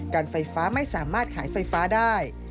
การไฟฟ้าไม่สามารถขายไฟฟ้าได้